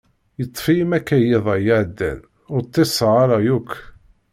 Yeṭṭef-iyi makay iḍ-a iɛeddan, ur ṭṭiseɣ ara yakk.